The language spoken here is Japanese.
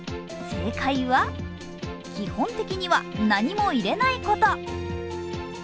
正解は、基本的には何も入れないこと。